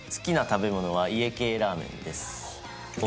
好きな食べ物は家系ラーメンです。